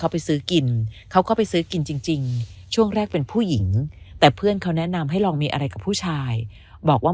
ผู้หญิงแต่เพื่อนเขาแนะนำให้ลองมีอะไรกับผู้ชายบอกว่า